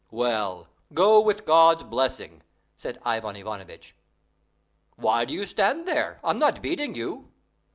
"Well, go with God's blessing," said Ivan Ivanovitch. "Why do you stand there? I'm not beating you."